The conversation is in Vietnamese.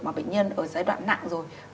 mà bệnh nhân ở giai đoạn nặng rồi